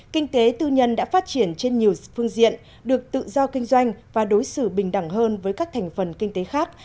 kinh tế tư nhân đã phát triển trên nhiều phương diện được tự do kinh doanh và đối xử bình đẳng hơn với các thành phần kinh tế khác